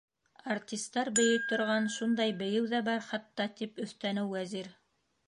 Артистар бейей торған шундай бейеү ҙә бар хатта, - тип өҫтәне Вәзир.